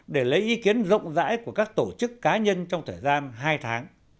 để lấy ý kiến rộng rãi của các tổ chức cá nhân trong thời gian hai tháng